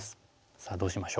さあどうしましょう？